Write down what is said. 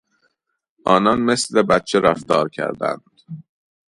آنان مثل بچه رفتار کردند.